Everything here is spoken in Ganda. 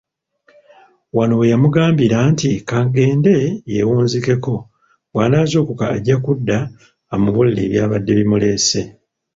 Wano we yamugambira nti ka agende yeewunzikeko, bw’anaazuukuka ajja kudda amubuulire eby’abadde bimuleese.